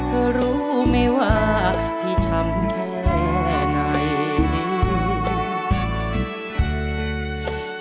เธอรู้ไหมว่าให้ทำแค่ไหน